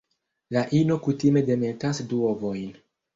La ino kutime demetas du ovojn.